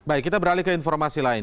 baik kita beralih ke informasi lain